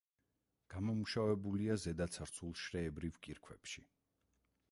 გამომუშავებულია ზედაცარცულ შრეებრივ კირქვებში.